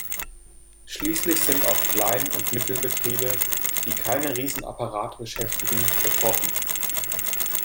Schließlich sind auch Kleinund Mittelbetriebe, die keine Riesenapparate beschäftigen, betroffen.